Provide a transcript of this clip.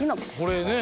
これね。